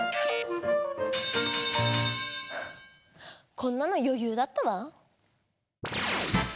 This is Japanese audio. こんなのよゆうだったわ。